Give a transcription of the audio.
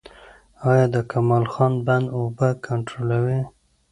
آیا د کمال خان بند اوبه کنټرولوي؟